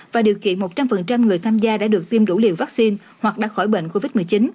và điều kiện một trăm linh người tham gia đã được tiêm đủ liều vaccine hoặc đã khỏi bệnh covid một mươi chín